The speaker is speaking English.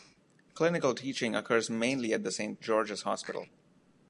Clinical teaching occurs mainly at the Saint George's Hospital.